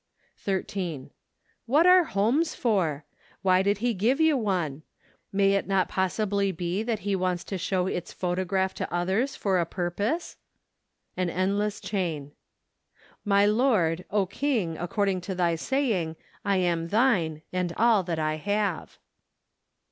13. What are homes for ? Why did He give you one ? May it not possibly be that He wants you to show its photograph to others for a purpose ? An Endless Chain. " My lord, 0 king, according to thy saying, 1 am thine , and all that I have."